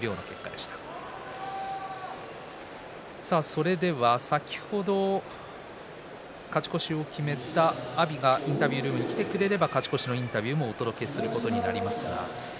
それでは、先ほど勝ち越しを決めた阿炎がインタビュールームに来てくれれば勝ち越しのインタビューです。